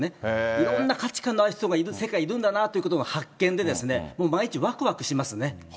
いろんな価値観のある人がいる、世界いるんだなということが発見でですね、毎日わくわくしますね。